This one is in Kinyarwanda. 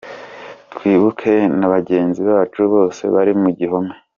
Twibuke na bagenzi bacu bose bari mu gihome.